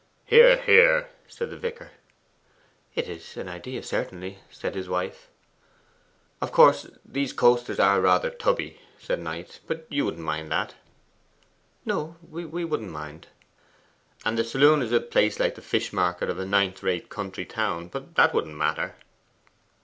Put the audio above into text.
'Hear, hear!' said the vicar. 'It's an idea, certainly,' said his wife. 'Of course these coasters are rather tubby,' said Knight. 'But you wouldn't mind that?' 'No: we wouldn't mind.' 'And the saloon is a place like the fishmarket of a ninth rate country town, but that wouldn't matter?